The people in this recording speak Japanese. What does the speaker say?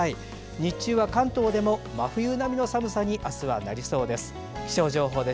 日中は関東でも真冬並みの寒さに明日はなりそうです。